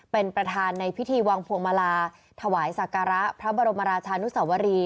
เป็นประธานในพิธีวางพวงมาลาถวายศักระพระบรมราชานุสวรี